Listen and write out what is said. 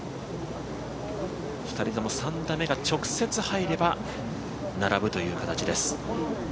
２人とも３打目が直接入れば並ぶという形です。